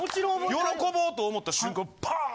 喜ぼうと思った瞬間パーン！